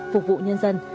phục vụ nhân dân